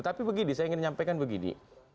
tapi begini saya ingin menyampaikan begini